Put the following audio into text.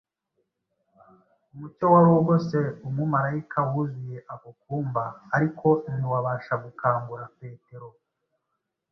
Umucyo wari ugose umumarayika wuzuye ako kumba ariko ntiwabasha gukangura Petero.